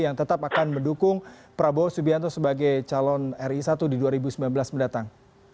yang tetap akan mendukung prabowo subianto sebagai calon ri satu di dua ribu sembilan belas mendatang